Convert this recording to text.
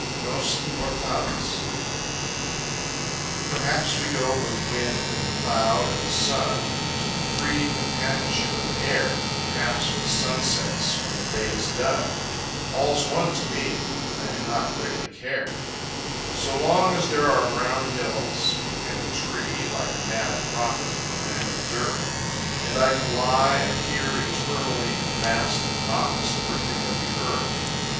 Nos Immortales Perhaps we go with wind and cloud and sun, Into the free companionship of air; Perhaps with sunsets when the day is done, All's one to me I do not greatly care; So long as there are brown hills and a tree Like a mad prophet in a land of dearth And I can lie and hear eternally The vast monotonous breathing of the earth.